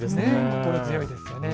心強いですよね。